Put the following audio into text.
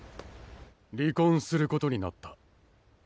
離婚することになった。